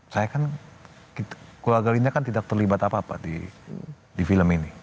saya kan keluarga ini kan tidak terlibat apa apa di film ini